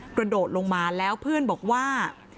กระโดดลงมาแล้วเพื่อนบอกว่า